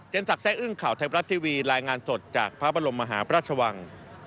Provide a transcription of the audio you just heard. สักแซ่อึ้งข่าวไทยบรัฐทีวีรายงานสดจากพระบรมมหาพระราชวัง